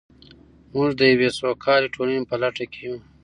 موږ د یوې سوکاله ټولنې په لټه کې یو.